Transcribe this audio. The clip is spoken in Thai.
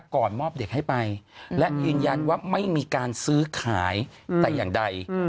ก่อนมอบเด็กให้ไปและยืนยันว่าไม่มีการซื้อขายแต่อย่างใด